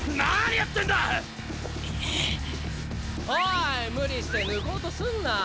おい無理して抜こうとすんな。